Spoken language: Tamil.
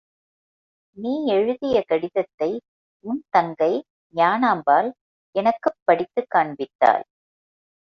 நீ எழுதிய கடிதத்தை உன் தங்கை ஞானாம்பாள் எனக்குப் படித்துக் காண்பித்தாள்.